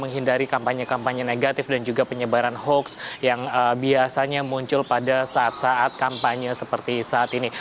menghindari kampanye kampanye negatif dan juga penyebaran hoax yang biasanya muncul pada saat saat kampanye seperti saat ini